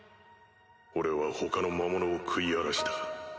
俺は他の魔物を食い荒らした。